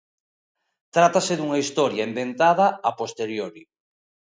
Trátase dunha historia inventada a posteriori.